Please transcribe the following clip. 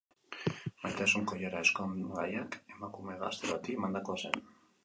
Maitasun koilara ezkongaiak emakume gazte bati emandakoa zen.